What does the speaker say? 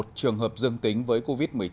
một trường hợp dương tính với covid một mươi chín